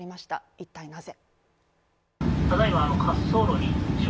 一体なぜ？